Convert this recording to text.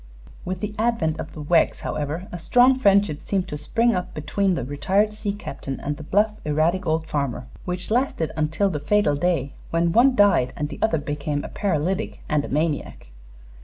With the advent of the Weggs, however, a strong friendship seemed to spring up between the retired sea captain and the bluff, erratic old farmer, which lasted until the fatal day when one died and the other became a paralytic and a maniac.